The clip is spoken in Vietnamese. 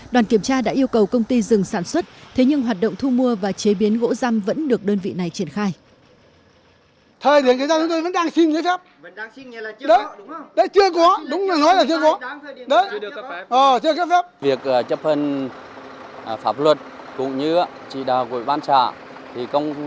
đoàn kiểm tra đã yêu cầu công ty dừng sản xuất thế nhưng hoạt động thu mua và chế biến gỗ giam vẫn được đơn vị này triển khai